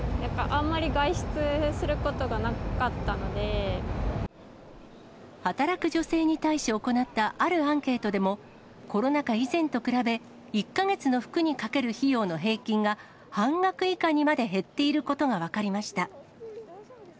あんまり外出することがなか働く女性に対し行った、あるアンケートでも、コロナ禍以前と比べ、１か月の服にかける費用の平均が、半額以下にまで減っていることが分かりました。